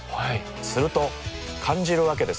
すると感じるわけです。